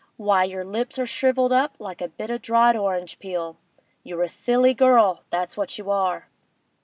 Why, your lips are shrivelled up like a bit of o' dried orange peel! You're a silly girl, that's what you are!